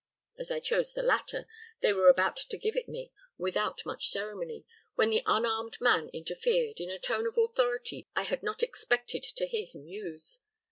As I chose the latter, they were about to give it me without much ceremony, when the unarmed man interfered, in a tone of authority I had not expected to hear him use.